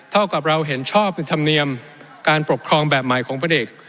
เท่ากับเราเห็นชอบเป็นธรรมเนียมการปกครองแบบใหม่ของพระเอก